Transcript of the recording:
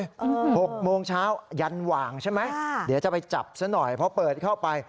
หกโมงเช้ายันหว่างใช่ไหมค่ะเดี๋ยวจะไปจับซะหน่อยเพราะเปิดเข้าไป